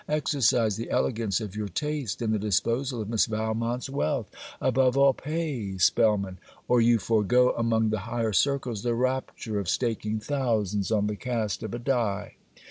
Exercise the elegance of your taste in the disposal of Miss Valmont's wealth. Above all, pay Spellman; or you forego, among the higher circles, the rapture of staking thousands on the cast of a die.'